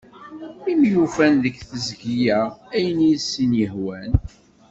Imi ufan deg tezgi-a ayen i asen-yehwan.